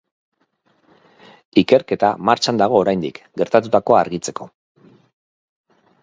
Ikerketa martxan dago oraindik, gertatutakoa argitzeko.